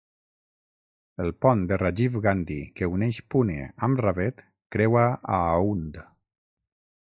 El pont de Rajiv Gandhi que uneix Pune amb Ravet creua a Aundh.